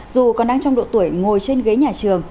dù còn đang trong độ tuổi ngồi trên ghế nhà trường